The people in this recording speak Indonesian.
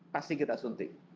pasti kita suntik